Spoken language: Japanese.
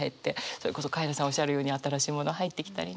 それこそカエラさんおっしゃるように新しいもの入ってきたりね。